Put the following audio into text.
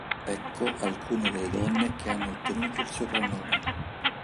Ecco alcune delle donne che hanno ottenuto il soprannome.